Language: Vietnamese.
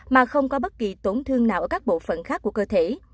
mà không có bất kỳ tổn thương nào ở các bộ phận khác của cơ thể